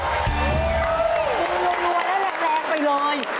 ถึงเนียนแล้วแรงไปเลย